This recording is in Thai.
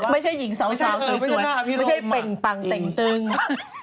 ไม่ใช่มีตรงนี้ออก